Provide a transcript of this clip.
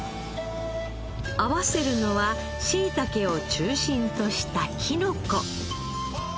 合わせるのはしいたけを中心としたきのこ。